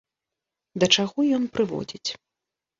Да чаго ён прыводзіць?